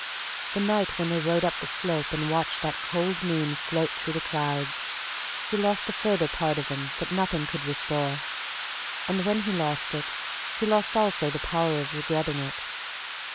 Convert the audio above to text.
The night when they rode up the slope and watched the cold moon float through the clouds, he lost a further part of him that nothing could restore; and when he lost it he lost also the power of regretting it.